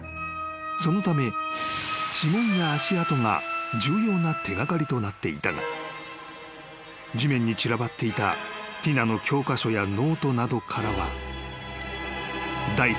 ［そのため指紋や足跡が重要な手掛かりとなっていたが地面に散らばっていたティナの教科書やノートなどからは］